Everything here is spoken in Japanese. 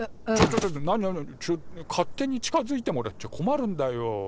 ちょっと勝手に近づいてもらっちゃ困るんだよ。